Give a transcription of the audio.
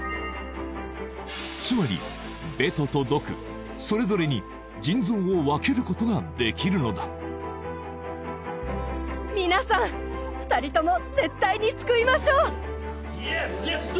つまりベトとドクそれぞれに腎臓を分けることができるのだ皆さん２人とも絶対に救いましょうＹｅｓ，ｌｅｔ